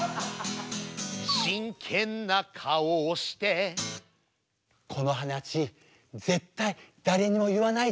真剣な顔をしてこの話絶対誰にも言わないでね。